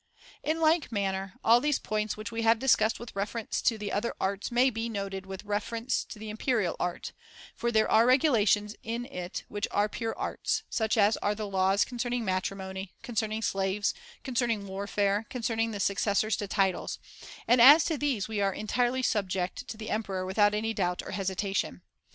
In like manner, all these points which we have discussed with reference to the other arts may be ^^50^ noted with reference to the imperial art ; for there are regulations in it which are pure arts, such as are the laws con cerning matrimony, concerning slaves, concern ing warfare, concerning the successors to titles ; and as to these we are entirely subject to the emperor without any doubt or hesitation.